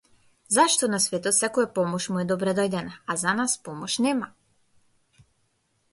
Зашто на светот секоја помош му е добредојдена, а за нас помош нема.